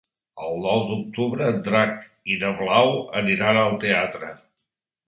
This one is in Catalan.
El nou d'octubre en Drac i na Blau aniran al teatre.